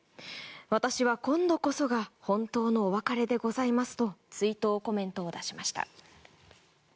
私は今度こそが本当のお別れでございますと追悼コメントを出しました。